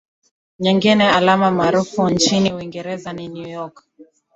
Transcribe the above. Nyingine alama maarufu nchini Uingereza ni York